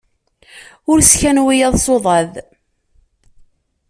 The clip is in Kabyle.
Ur sskan wiyaḍ s uḍaḍ.